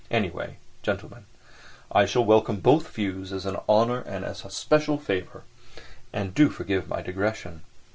Anyway, gentlemen, I shall welcome both views as an honour and a special favour. And do forgive my digression.